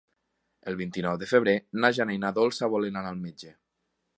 El vint-i-nou de febrer na Jana i na Dolça volen anar al metge.